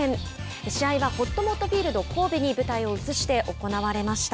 試合はほっともっとフィールド神戸に舞台を移して行われました。